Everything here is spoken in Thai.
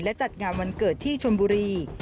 และจัดงานวันเกิดที่ชนบุรี